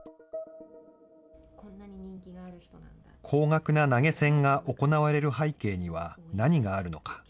高額な投げ銭が行われる背景には、何があるのか。